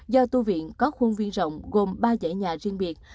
do tu viện có khuôn viên rộng gồm ba giải nhà riêng biệt